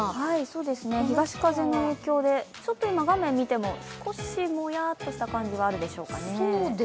東風の影響で画面を見ても少しもやっとした感じがあるでしょうかね。